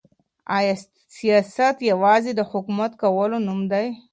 آیا سیاست یوازي د حکومت کولو نوم دی؟